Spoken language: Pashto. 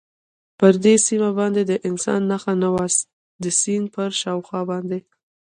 پر دې سیمه باندې د انسان نښه نه وه، د سیند پر شاوخوا باندې.